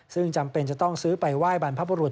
ซึ่งจำเป็นจะต้องซื้อไปว่ายบันภพรุษ